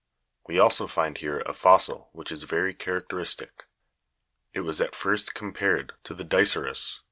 We also find here a fossil which is very characteristic ; it was at first compared to the diceras (Jig.